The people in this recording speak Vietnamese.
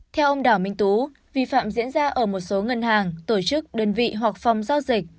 theo ông đào minh tú vi phạm diễn ra ở một số ngân hàng tổ chức đơn vị hoặc phòng giao dịch